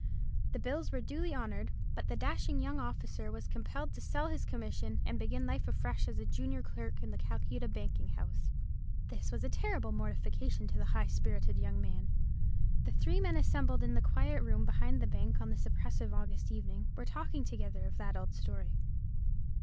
The bills were duly honoured; but the dashing young officer was compelled to sell his commission, and begin life afresh as a junior clerk in the Calcutta banking house. This was a terrible mortification to the high spirited young man. The three men assembled in the quiet room behind the bank on this oppressive August evening were talking together of that old story.